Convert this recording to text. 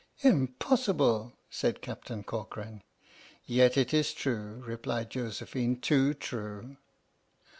"Impossible!" said Captain Corcoran. "Yet it is true," replied Josephine, "too true!"